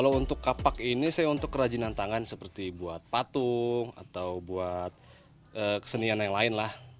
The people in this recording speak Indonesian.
kalau untuk kapak ini saya untuk kerajinan tangan seperti buat patung atau buat kesenian yang lain lah